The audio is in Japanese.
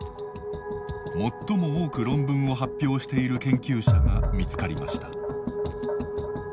最も多く論文を発表している研究者が見つかりました。